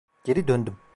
Geri döndüm.